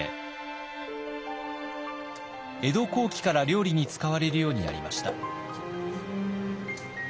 江戸後期から料理に使われるようになりました。